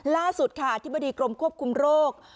ล่าสุดค่ะอธิบดีกรมควบคุมโรค